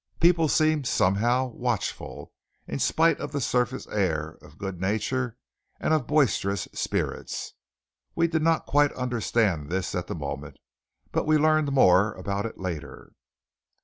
People seemed, somehow, watchful, in spite of the surface air of good nature and of boisterous spirits. We did not quite understand this at the moment, but we learned more about it later.